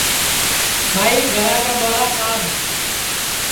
ٻائی گھرا کا ٻُوہارا کاڈؔ